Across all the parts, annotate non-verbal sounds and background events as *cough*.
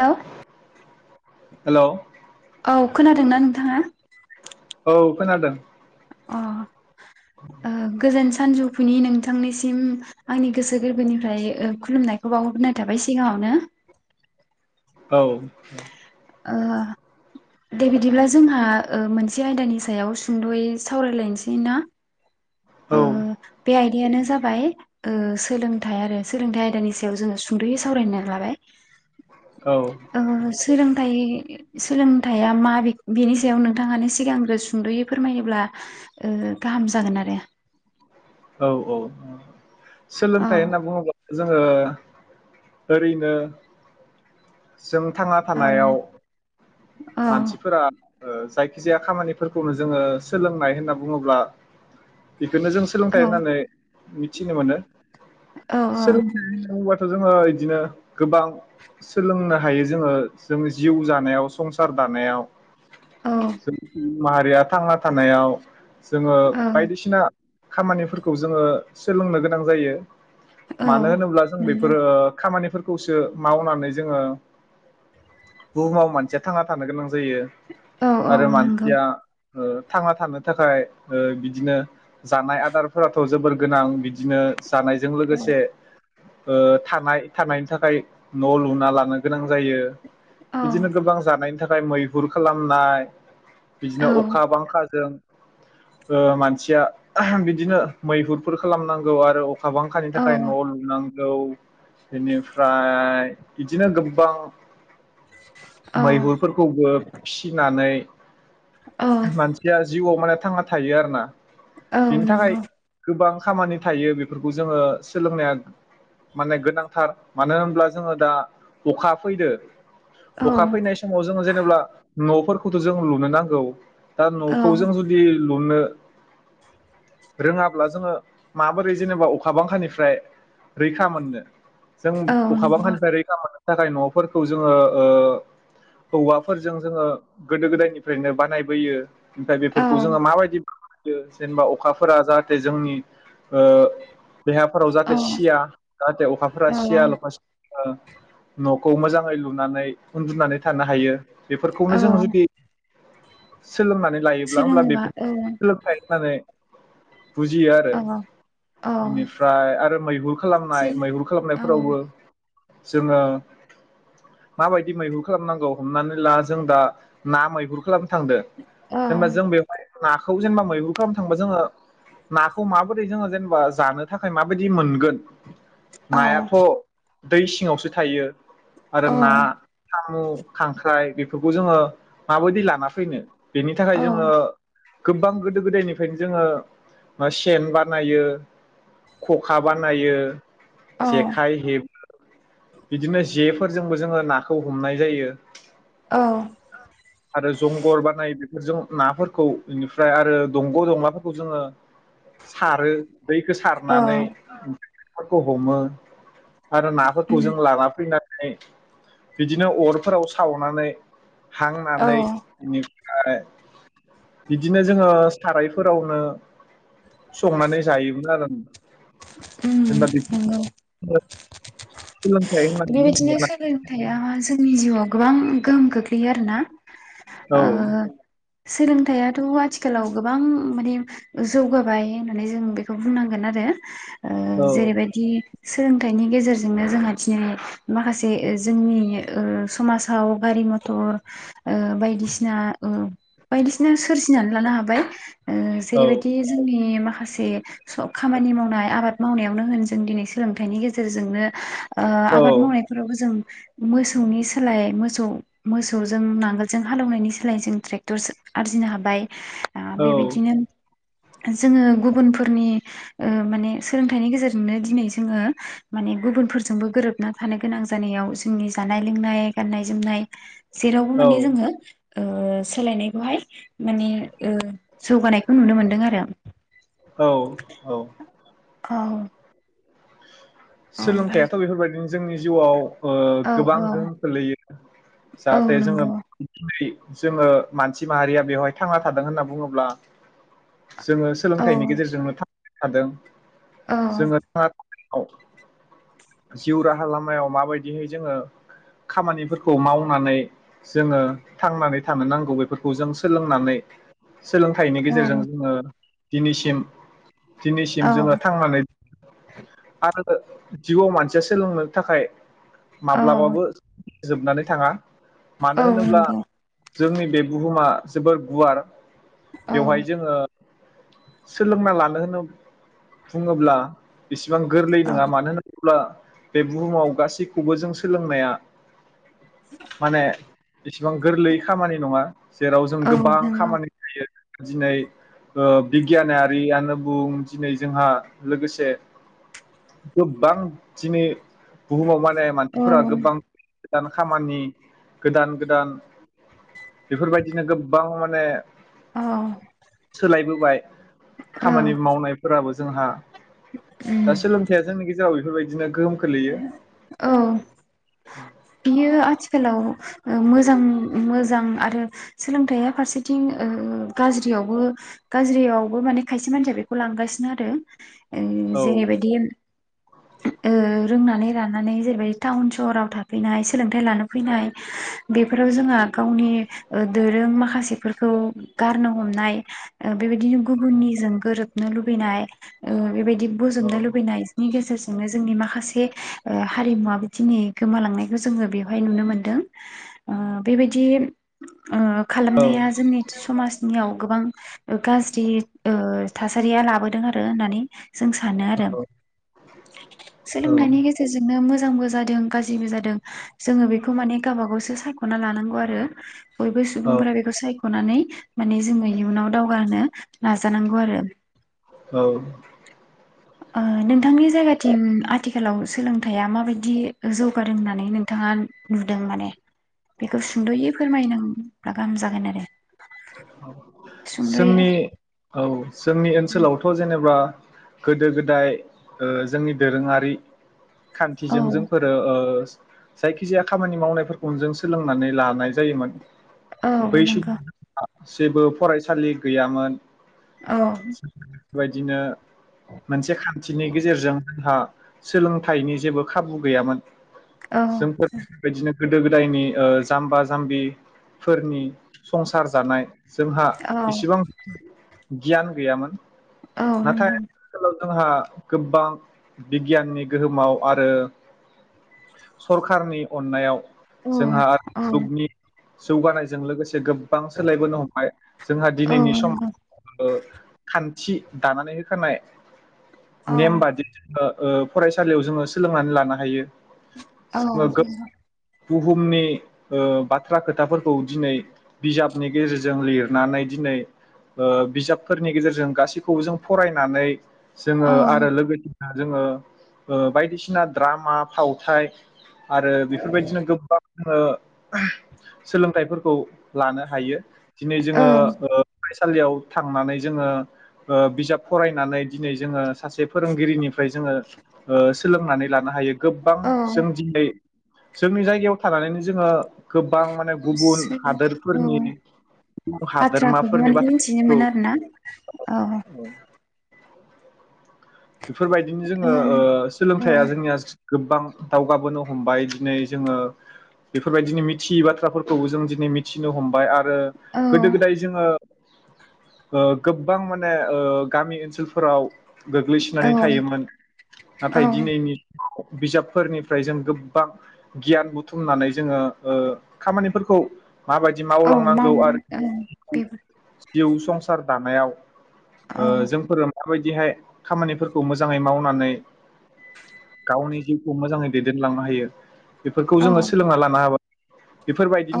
हेल hello खोनादों ना नोंथाङा औ खोनादों अ ओ गोजोन सानजौफुनि नोंथांनिसिम आंनि गोसो गोरबोनिफ्राय खुलुमनायखौ बावहरग्रोनाय थाबाय सिगाङावनो औ ओ दे बिदिब्ला जोंहा ओ मोनसे आयदानि सायाव सुंदयै सावरायलायनोसै ना औ ओ बे आयदायानो जाबाय ओ सोलोंथाइ आरो सोलोंथाइ आयदानि सायाव जोङो सुंदयै सावरायनो लाबाय औ ओ सोलोंथाइ सोलोंथाइया मा बेनि सायाव नोंथाङानो सिगांग्रो सुंदयै फोरमायोब्ला ओ गाहाम जागोन आरो औ औ औ औ सोलोंथाइ होनना बुङोब्ला जोङो ओरैनो जों थांना औ थानायाव मानसिफोरा ओ जायखि जाया खामानिफोरखौनो जोङो सोलोंनाय होनना बुङोब्ला बेखौनो जों थाइ औ होननानै मिथिनो मोनो औ सोलोंथाइ होनना बुंबाथ जोङो इदिनो गोबां सोलोंनो हायो जोङो जों जिउ जानायाव संसार दानायाव औ माहारिया थांना थानायाव जोङो बायदिसिना खामानिफोरखौ जोङो सोलोंनो गोनां जायो औ औ मानो होनोब्ला जों नंगौ बेफोरो खामानि फोरखौसो मावनानै जोङो बुहुमाव मानसिया थांना थानो गोनां जायो औ औ आरो नंगौ मानसिया ओ थांना थानो थाखाय ओ बिदिनो जानाय आदारफोराथ जोबोर गोनां बिदिनो जानायजों औ लोगोसे ओ थानाय थानायनि थाखाय न लुना लानो गोनां जायो बिदिनो औ गोबां जानायनि थाखाय मैहुर खालामनाय बिदिनो अखा बांखाजों ओ मानसिया बिदिनो मैहुरफोर खालामनांगौ आरो अखा बांखानि औ थाखाय न लुुनां गौ बेनिफ्राय इदिनो गोबां औ मैहुरफोरखौबो फिसिनानै औ मानसिया जिउवाव माने थांना थायो आरो ना औ बेनि थाखाय नंगौ गोबां खामानि थायो बेफोरखौ जोङो सोलोंनाया माने गोनांथार मानो होनब्ला जोङो दा अखा फैदो औ अखा फैनाय समाव जोङो जेनेबा नफोर खौथ जों लुनो नांगौ दा औ नखौ जों जुदि लुनो रोङाब्ला जोङो माबोरै जेनेबा अखा बांखानिफ्राय रैखा मोननो जों औ अखा नंगौ बांखानिफ्राय रैखा मोनो थाखाय नफोरखौ जोङो ओ औवाफोरजों जोङो गोदो गोदायनिफ्रायनो बानायबोयो ओमफ्राय औ बेफोरखौ जोङो माबायदि जेनेबा अखा अखाफोरा जाहाथे जोंनि ओ देहाफोराव औ जाहाथे सिया जाहाथे अखाफोरा औ सिया लखा नखौ मोजाङै लुनानै उन्दुनानै थानो हायो औ बेफोरखौनो जों जुदि सोलोंनानै लायोब्ला होमब्ला सोलोङोबा बेफोर औ सोलोंथाय होननानै बुजियो आरो औ औ बेनिफ्राय आरो मैहुर खालामनाय सोर मैहुर औ खालामनायफोरावबो जोङो माबायदि मैहुर खालामनांगौ हमनानै ला जों दा ना मैहुर खालाम थांदो औ जेनबा जों बेवहाय नाखौ जेनेबा मैहुर खालाम थांबा जोङो नाखौ माबोरै जोङो जेनेबा जानो थाखाय माबायदि मोनगोन औ नायाथ' दै सिङावसो थायो। आरो औ ना साम' खांख्राइ बेफोरखौ जोङो माबोदि लाना फैनो बेनि थाखाय औ जोङो गोबां गोदो गोदायनि ओखायनो जोङो सेन बानायो खखा बानायो। जेखाइ हेब बिदिनो जे फोरजोंबो जोङो नाखौ हमनाय जायो। औ आरो जंगल बानाय बे बेफोरजों नाफोरखौ बेनिफ्राय आरो दंग' दंलाफोरखौ जोङो सारो दैखो सारनानै फोरखौ हमो आरो नाफोरखौ उम जों लाना फैनानै बिदिनो अरफोराव सावनानै औ हांनानै *unintelligible* फ्राय बिदिनो जोङो थारायफोरावनो संनानै जायोमोन आरो आं उम नंगौ। सोलोंथाइ होननानै बेबायदिनो बुङोब्ला सोलोंथाइआ जोंनि जिउआव गोबां गोहोम गोग्लैयो आरो ना औ ओ सोलोंथाइआथ' आथिखालाव गोबां माने जौगाबाय होननानै जों बेखौ बुंनांगोन आरो। ओ औ जेरैबायदि सोलोंथाइनि गेजेरजोंनो जोंहा दिनै माखासे जोंनि ओ समाजाव गारि मथर ओ बायदिसिना ओ बायदिसिना सोरजिनानै लानो हाबाय। ओ औ जेरैबायदि जोंनि मा माखासे सब खामानि मावनाय आबाद मावनायावनो होन जों दिनै सोलोंथाइनि गेजेरजोंनो ओ औ आबाद मावनायफोरावबो जों मोसौनि सोलाय मोसौ मोसौजों नांगोलजों हालेवनायनि सोलाय जों ट्रेक्टर जो आरजिनो हाबाय। दा औ बेबायदिनो जोङो गुबुनफोरनि ओ माने सोलोंथाइनि गेजेरजोंनो दिनै जोङो माने गुबुनफोरजोंबो गोरोब ना थानो गोनां जानायाव जोंनि जानाय लोंनाय गाननाय जोमनाय जेरावबो माने औ जोङो। ओ सोलायनायखौहाय माने ओ जौगानायखौ नुनो मोनदों आरो। औ औ। औ सोलोंथाइयाथ' औ बेफोरबायदिनो जोंनि जिउआव ओ गोबां औ गोहोम खोलैयो औ जाहाथे जोङो नंगौ *unintelligible* जोङो मानसि माहारिया बेवहाय थांना थादों होनना बुङोब्ला जोङो औ सोलोंथायनि गेजेरजोंनो थां थादों। औ जोङो था औ। जिउ राहा लामायाव माबायदिहै जोङो खामानिफोरखौ मावनानै जोङो थांनानै थानो नांगौ बेफोरखौ जों सोलोंनानै सोलोंथाइनि औ गेजेरजों जोङो। दिनैसिम दिनैसिम औ जोङो थांनानै आरो ओ जिउआव मानसिया सोलोंनो थाखाय माब्लाबाबो जोबनानै थाङा। मानो औ होनोब्ला नंगौ जोंनि बे बुहुमा जोबोर गुवार औ बेवहाय जोङो सोलोंना लानो होनो बुङोब्ला बेसेबां गो औ नोङा मानो हो अब्ला बे बुहुमाव गासैखौबो जों सोलोंनाया माने इसिबां गोरलै खामानि नङा जेराव जों औ गोबां नंगौ खामानि जायो। दिनै ओ बिगियानारियानो बुं दिनै जोंहा लोगोसे गोबां दिनै बुहुमाव माने औ मानसिफोरा गोबां दान खामानि गोदान गोदान बेफोर बायदिनो गोबां माने औ सोलायबोबाय औ खामानि मावनायफोराबो जोंहा उम गेजाव बेफोरबायदिनो गोहोम खोलैयो औ बियो आथिखालाव ओ मोजां मोजां आरो सोलोंथाइया फारसेथिं ओ गाज्रियावबो गाज्रियावबो माने खायसे मानसिया बेखौ लांगासिनो आरो ओं औ जेरैबायदि ओ रोंनानै रानानै जेरैबाय टाउन सहराव था फैनाय सोलोंथाइ लानो फैनाय बेफोराव जोंहा गावनि ओ दोरों माखासेफोरखौ गारनो हमनाय ओ बेबायदिनो गुबुननिजों गोरोबनो लुबैनाय ओ बेबायदि औ बोजोबनो लुबैनायजनि गेजेरजो नोंनो जोंनि माखासे ओ हारिमुवाबो दिनि गोमालांनाय बो जोङो बेवहाय नुनो मोनदों ओ बेबायदि ओ औ खालामनाया जोंनि समाजनियाव गोबां ओ गाज्रि ओ थासारिया लाबोदों आरो होननानै जों सानो आरो औ सोलोंथाइनि गेजेरजोंनो मोज जांबो जादों गाज्रिबो जादों जोङो बेखौ माने गाबा गावसो सायख'ना लानांगौ आरो बयबो औ सुबुंफोरा बेखौ साय ख'नानै माने जोङो इउनाव दावगा होनो‌ नाजानांगौ आरो औ ओ नोंथांनि जायगाथिं आथिखालाव सोलोंथाइया माबायदि जौगादों होननानै नोंथाङा नुदों माने बेखौ सुंद'यै फोरमायनां रागाम जागोन आरो सुंद'यै जोंनि औ जोंनि ओनसोलावथ' जेनेबा गोदो गोदाय ओ जोंनि दोरोङारि औ खान्थिजों जोंफोरो ओ जायखिजाया खामानि मावनायफोरखौनो जों सोलोंनानै लानाय जायोमोन औ बै बुनांगौ समाव जेबो फरायसालि गैयामोन औ बेबायदिनो मोनसे खान्थिनि गेजेरजों जोंहा सोलोंथाइनि जेबो खाबु गैयामोन। औ जोंफोर बेफोरबायदिनो गोदो गोदायनि ओ जाम्बा जाम्बिफोरनि संसा सार जानाय जोंहा औ इसिबां गियान गैयामोन औ नाथाय नंगौ *unintelligible* जोंहा गोबां बिगियाननि गोहोमाव आरो सरखारनि अननायाव औ जोंहा आर औ *unintelligible* जौगानायजों लोगोसे गोब गोबां सोलायबोनो हमबाय जोंहा औ दिनैनि नंगौ समाव ओ खान थि दानानै होखानाय औ नेम बादि ओ ओ फरायसालियाव जोङो सोलोंनानै लानो हायो। औ जोङो गो बुहुमनि ओ बाथ्रा खोथाफोरखौ दिनै बिजाबनि गेजेरजों लिरनानै दिनै ओ बिजाबफोरनि गेजेरजों गासैखौबो जों फरायनानै जोङो औ आरो लोगोसे जोङो ओ बायदिसिना द्रामा फावथाइ आरो बेफोरबायदिनो गोबां ओ *unintelligible* सोलोंथाइफोरखौ लानो हायो दिनै औ जोङो ओ फराय सालियाव थांनानै जोङो ओ बिजाब फरायनानै दिनै जोङो सासे फोरोंगिरिनिफ्राय जोङो ओ सोलोंनानै लानो हायो गोबां औ जों दिनै जोंनि जायगायाव थानानैनो जोङो गोबां माने गुबुन सोर हादोर औ बाथ्राखौ माने बाथ्राफोरखौ मिथिनोमोनो आरो ना औ बेफोरबायदिनो जोङो ओ औ सोलोंथाइया जोंनिया गोबां दावगाबोनो हमबाय दिनै जोङो बेफोरबायदि मिथियै बाथ्राफोरखौबो जों दिनै मिथिनो हमबाय आर ओ गोदो गोदाय जोङो ओ गोबां माने ओ गामि ओनसोलफोराव औ गोग्लैसोनानै थायोमोन औ नाथाय दिनैनि बिजाबफोरनिफ्राय जों गोबां गियान बुथुमनानै जोङो ओ खामानिफोरखौ माबायदि औ मावलांनांगौ मावनो औ आरो बेफोर जिउ संसार दानायाव ओ औ जोंफोरो मा बायदिहाय खामानिफोरखौ मोजाङै मावनानै गावनि जिउखौ मोजाङै दैदेनलांनो हायो। बेफोरखौ औ जोङो सोलोंना लानो हाबा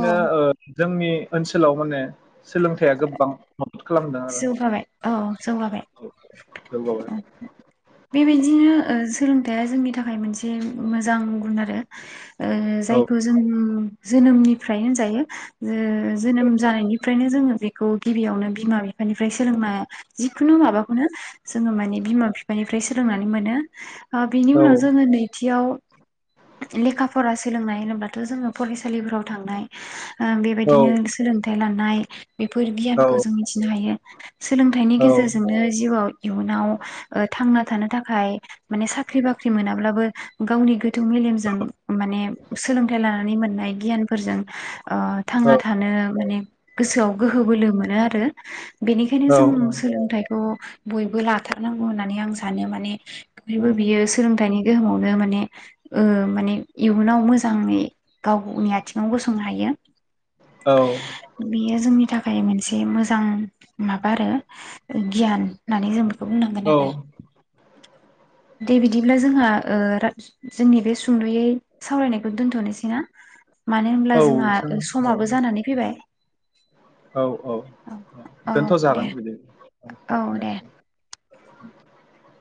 औ ओ जोंनि ओनसोलाव माने सोलोंथाइया गोबां खालामदों आरो जौगाबाय औ जौगाबाय जौगाबाय बेबायदिनो सोलोंथाइया जोंनि थाखाय मोनसे मोजां गुन आरो ओ औ जायखौ जों जोनोमनिफ्राय होनजायो जो जोनोम जानायनि फ्रायनो जोङो बेखौ गिबियावनो बिमा फानिफ्राय सोलोंना जिखुनु माबाखौनो जोङो माने बिमा- बिफानिफ्राय सोलोंनानै मोनो बिनि औ उनाव जोङो नैथियाव लेखा फरा सोलोंनाय होनोब्लाथ जोङो फरायसालिफोराव थांनाय ओ औ बेबायदिनो सोलों थाय लांनाय बेफोर औ गियानखौ जों मिथि जायो सोलोंथाइनि औ गेजेरजोंनो जिउआव इयुनाव ओ थांना थानो थाखाय माने साख्रि बाख्रि मोनाब्लाबो गावनि गोथौ मेलेमजों माने सोलोंथाइ लानानै मोननाय गियानफोरजों ओ थांना औ थानो माने गोसोआव गोहो बोलो मोनो आरो बेनिखायनो औ औ जों सोलोंथाइखौ बयबो लाथारनांगौ होननानै आं सानो माने बयबो बियो सोलोंथाइनि गोहोमावनो माने ओ माने इयुनाव मोजाङै गावनि आथिङाव गसंनो हायो बेयो जोंनि थाखा फाय मोनसे मो जां माबा आरो ओ गियान होननानै जों बेखौ बुंनांगोन औ आरो। दे बिदिब्ला जोंहा ओ जोंनि बे सुंद'यै सावरायनायखौ दोन्थ'नोसैना। मानो होनब्ला जोंहा जों औ समाबो जानानै फैबाय *inaudible* औ औ औ दोनथ' दे जागोन बिदिब्ला ओ दे *inaudible*